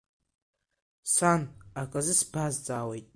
Сан, аказы сбазҵаауеит?